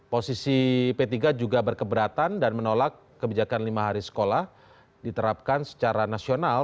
posisi p tiga juga berkeberatan dan menolak kebijakan lima hari sekolah diterapkan secara nasional